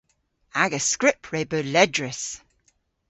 Aga skrypp re beu ledrys.